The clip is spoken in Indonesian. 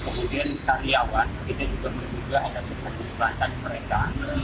kemudian karyawan kita juga menjaga dan menjaga mereka